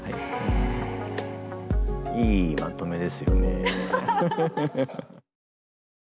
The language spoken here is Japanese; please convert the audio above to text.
いいまとめですよね。